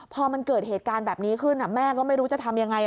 พอมันเกิดเหตุการณ์แบบนี้ขึ้นแม่ก็ไม่รู้จะทำยังไง